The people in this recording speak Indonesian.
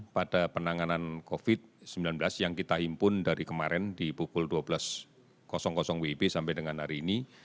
pada penanganan covid sembilan belas yang kita himpun dari kemarin di pukul dua belas wib sampai dengan hari ini